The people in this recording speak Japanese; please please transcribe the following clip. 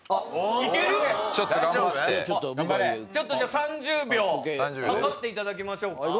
じゃあ３０秒計っていただきましょうか。